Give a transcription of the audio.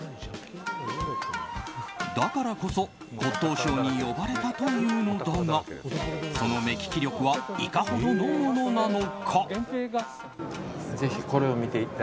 だからこそ骨董ショーに呼ばれたというのだがその目利き力はいかほどのものなのか。